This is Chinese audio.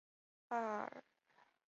阿彭维尔。